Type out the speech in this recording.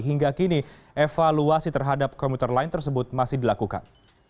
hingga kini evaluasi terhadap komuter lain tersebut masih dilakukan